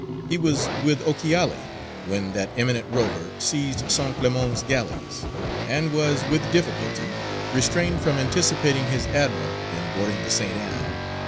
He was with Ochiali when that eminent rover seized Saint Clément's galleys, and was with difficulty restrained from anticipating his admiral in boarding the St. Ann.